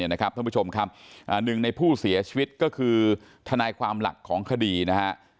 ท่านผู้ชมครับหนึ่งในผู้เสียชีวิตก็คือทนายความหลักของคดีนะฮะ